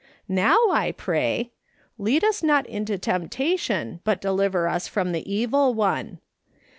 Now I pray :' Lead us not into temptation, but deliver us from the evil one.